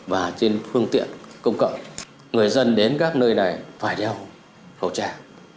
và trên phương tiện công cộng người dân đến các nơi này phải đeo khẩu trang